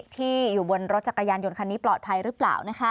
ที่อยู่บนรถจักรยานยนต์คันนี้ปลอดภัยหรือเปล่า